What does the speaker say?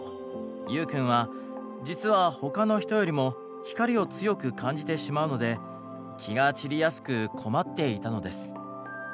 ユウくんは実は他の人よりも光を強く感じてしまうので気が散りやすく困っていたのです。